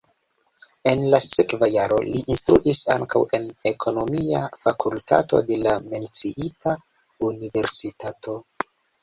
En la sekva jaro li instruis ankaŭ en ekonomia fakultato de la menciita universitato.